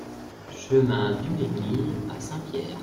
Chemin Dumesgnil à Saint-Pierre